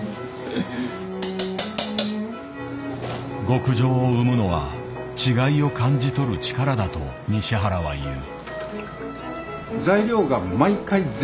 極上を生むのは違いを感じ取る力だと西原は言う。